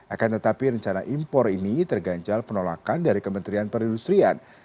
akan tetapi rencana impor ini terganjal penolakan dari kementerian perindustrian